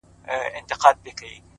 دا چي دي شعرونه د زړه جيب كي وړي;